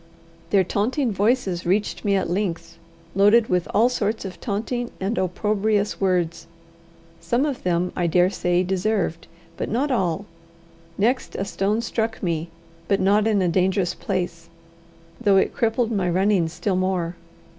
Their taunting voices reached me at length, loaded with all sorts of taunting and opprobrious words some of them, I dare say, deserved, but not all. Next a stone struck me, but not in a dangerous place, though it crippled my running still more.